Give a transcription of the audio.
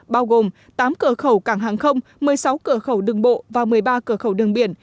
bao gồm tám cửa khẩu cảng hàng không một mươi sáu cửa khẩu đường bộ và một mươi ba cửa khẩu đường biển